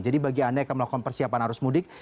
jadi bagi anda yang akan melakukan persiapan arus mudik